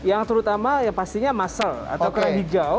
yang terutama yang pastinya muscle atau kerang hijau